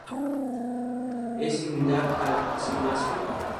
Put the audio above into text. Es similar al cimacio.